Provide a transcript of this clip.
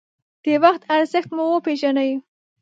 د وخت ارزښت مو وپېژنئ.